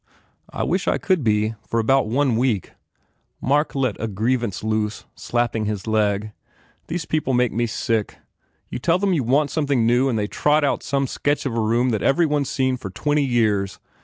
"I wish I could be, for about one week!" Mark let a grievance loose, slapping his leg. "These people make me sick! You tell them you want something new and they trot out some sketch of a room that every one s seen for twenty years.